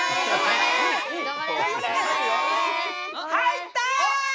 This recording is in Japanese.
入った！